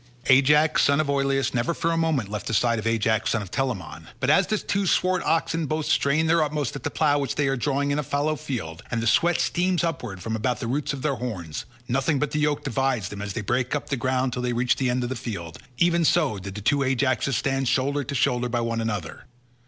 Ajax son of Oileus, never for a moment left the side of Ajax, son of Telamon, but as two swart oxen both strain their utmost at the plough which they are drawing in a fallow field, and the sweat steams upwards from about the roots of their horns—nothing but the yoke divides them as they break up the ground till they reach the end of the field—even so did the two Ajaxes stand shoulder to shoulder by one another.